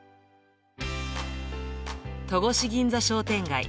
戸越銀座商店街。